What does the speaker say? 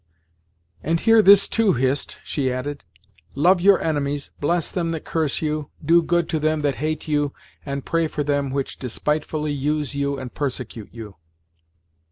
"And hear this, too, Hist," she added. "'Love your enemies, bless them that curse you, do good to them that hate you, and pray for them which despitefully use you and persecute you.'"